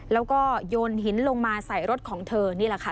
แล้วก็โยนหินลงมาใส่รถของเธอนี่แหละค่ะ